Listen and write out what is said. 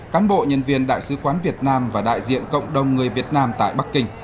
cán bộ nhân viên đại sứ quán việt nam và đại diện cộng đồng người việt nam tại bắc kinh